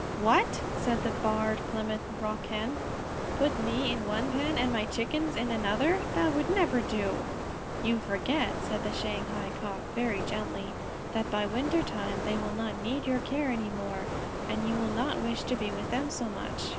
"What?" said the Barred Plymouth Rock Hen, "put me in one pen and my Chickens in another? That would never do." "You forget," said the Shanghai Cock very gently, "that by winter time they will not need your care any more, and you will not wish to be with them so much."